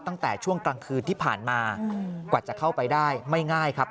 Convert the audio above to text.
ตั้งแต่ช่วงกลางคืนที่ผ่านมากว่าจะเข้าไปได้ไม่ง่ายครับ